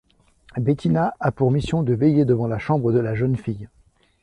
Bettina a pour mission de veiller devant la chambre de la jeune fille.